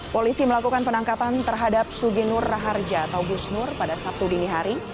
polisi melakukan penangkapan terhadap suginur raharja atau gus nur pada sabtu dini hari